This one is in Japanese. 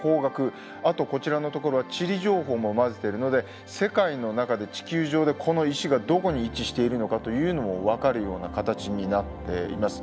あとこちらのところは地理情報も混ぜているので世界の中で地球上でこの石がどこに位置しているのかというのも分かるような形になっています。